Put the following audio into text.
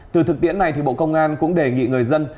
từ thực tiễn này bộ công an cũng đề nghị người dân